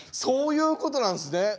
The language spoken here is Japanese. そういうことなんすね。